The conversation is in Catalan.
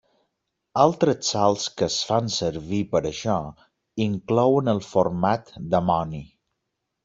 Altres sals que es fan servir per això inclouen el format d'amoni.